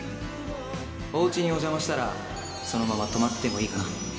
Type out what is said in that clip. おうちにお邪魔したら、そのまま泊まっていいかな？